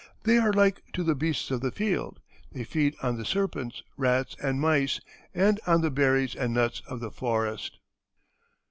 They are like to the beasts of the field. They feed on the serpents, rats, and mice, and on the berries and nuts of the forest.